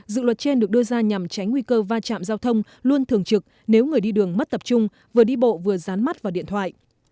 dự luật trên được đưa ra nhằm tránh nguy cơ va chạm giao thông luôn thường trực nếu người đi đường mất tập trung vừa đi bộ vừa rán mắt vào điện thoại